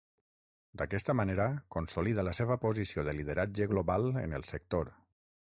D'aquesta manera consolida la seva posició de lideratge global en el sector.